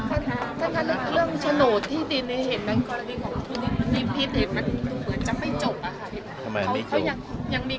อารมณ์ดีทุกทีมีแต่คนเนี้ยถามว่าอารมณ์ไม่ดี